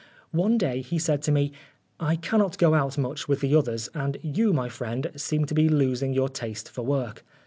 One day he said to me, " I cannot go out much with the others, and you, my friend, seem to be losing your taste for work.